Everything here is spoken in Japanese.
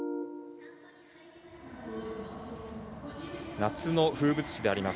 夏の風物詩であります